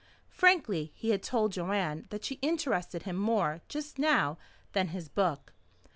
Frankly he had told Joanne that she interested him more just now than his book.